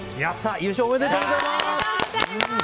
優勝おめでとうございます。